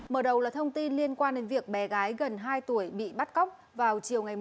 mở đầu là thông tin liên quan đến việc bé gái gần hai tuổi bị bắt cóc vào chiều một mươi chín chín